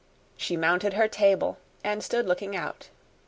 She mounted her table and stood looking out.